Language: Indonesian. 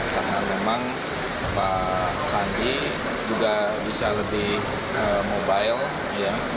karena memang pak sandi juga bisa lebih mobile ya